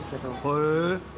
へえ。